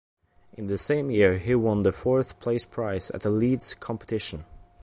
In the same year, he won the fourth place prize at the Leeds Competition.